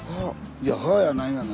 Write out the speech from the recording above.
いや「はぁ」やないがな。